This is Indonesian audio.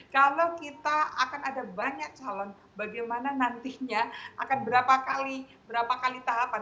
kalau kita akan ada banyak calon bagaimana nantinya akan berapa kali berapa kali tahapan